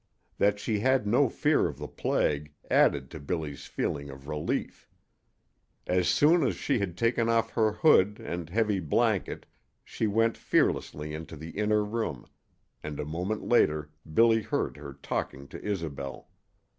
That she had no fear of the plague added to Billy's feeling of relief. As soon as she had taken off her hood and heavy blanket she went fearlessly into the inner room, and a moment later Billy heard her talking to Isobel.